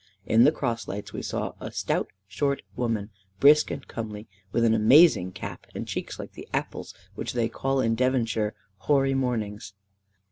In the cross lights, we saw a stout short woman, brisk and comely, with an amazing cap, and cheeks like the apples which they call in Devonshire "hoary mornings."